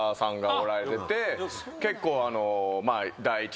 結構。